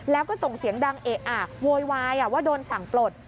แล้วก็ส่งเสียงดังเอะอะโวยวายว่าโดนสั่งปลด